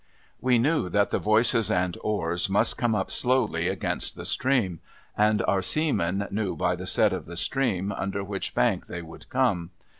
W'c knew that the voices and oars must come up slowly against the stream ; and our seamen knew, by the set of the stream, under which bank they would come.